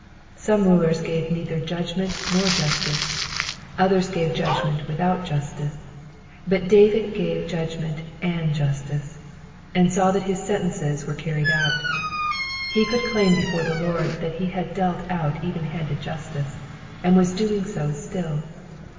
Some rulers gave neither judgment nor justice, others gave judgment without justice, but David gave judgment and justice, and saw that his sentences were carried out. He could claim before the Lord that he had dealt out even handed justice, and was doing so still.